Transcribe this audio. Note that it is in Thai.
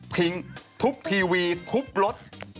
ทิ้งทุบทีวีทุบรถ